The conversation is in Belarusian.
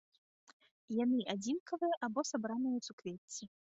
Яны адзінкавыя або сабраны ў суквецці.